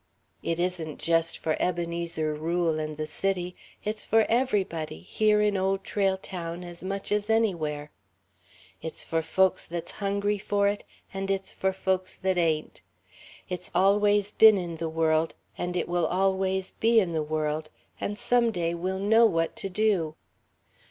"It isn't just for Ebenezer Rule and the City. "It's for everybody, here in Old Trail Town as much as anywhere. "It's for folks that's hungry for it, and it's for folks that ain't. "It's always been in the world and it always will be in the world, and some day we'll know what to do."